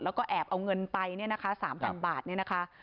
แล้วก็แอบเอาเงินไปเนี่ยนะคะ๓๐๐บาทเนี่ยนะคะ